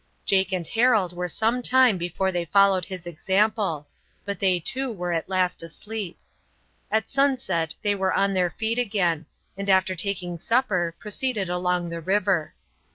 Jake and Harold were some time before they followed his example, but they too were at last asleep. At sunset they were on their feet again, and after taking supper proceeded along the river.